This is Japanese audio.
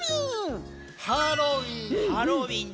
「ハロウィン」。